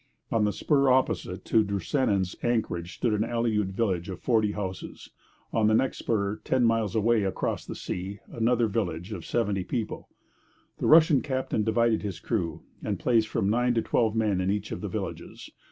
On the spur opposite to Drusenin's anchorage stood an Aleut village of forty houses; on the next spur, ten miles away across the sea, was another village of seventy people. The Russian captain divided his crew, and placed from nine to twelve men in each of the villages.